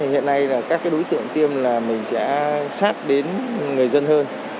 hiện nay là các đối tượng tiêm là mình sẽ sát đến người dân hơn